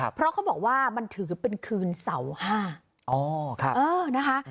เพราะเขาบอกว่ามันถือเป็นคืนเสาร์ห้า